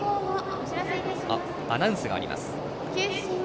アナウンスがあります。